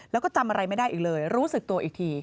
แล้วก็จำอะไรไม่ได้อีกเลยรู้สึกตัวอีกที